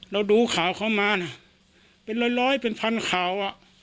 เราดูข่าวเขามานะเป็นร้อยเป็นพันข่าว